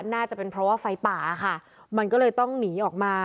น่าจะเป็นเพราะว่าไฟป่าค่ะมันก็เลยต้องหนีออกมา